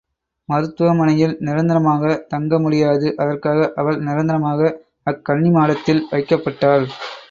மருத்துவ மனையில் நிரந்தரமாகத் தங்க முடியாது அதற்காக அவள் நிரந்தரமாக அக்கன்னிமாடத்தில் வைக்கப்பட்டாள்.